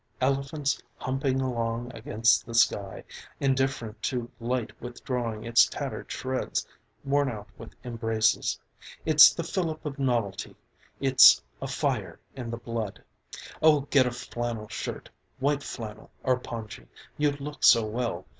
Elephants humping along against the sky indifferent to light withdrawing its tattered shreds, worn out with embraces. It's the fillip of novelty. It's a fire in the blood. Oh get a flannel shirt, white flannel or pongee. You'd look so well!